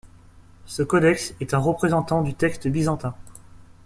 Ce codex est un représentant du texte byzantin.